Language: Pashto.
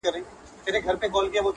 له ده بې زړه نه و، ژونده کمال دي وکړ,